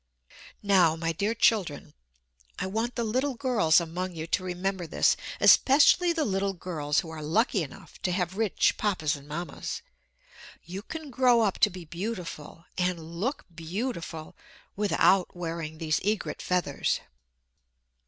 Now, my dear children, I want the little girls among you to remember this, especially the little girls who are lucky enough to have rich Papas and Mammas. You can grow up to be beautiful, and look beautiful, without wearing these egret feathers.